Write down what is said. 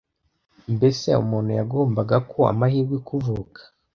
Mbese umuntu yagombaga ko amahirwe kuvuka?